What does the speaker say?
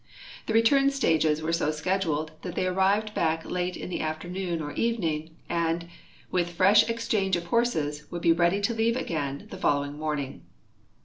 The I'eturn stages were so scheduled that they arrived back late in the after noon or evening, and, with fresh exchange of horses, would be ready to leave again the following morning.